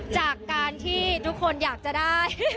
จากการที่ทุกคนอยากจะได้